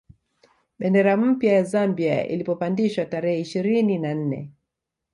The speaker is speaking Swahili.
Bendera mpya ya Zambia ilipopandishwa tarehe ishirini na nne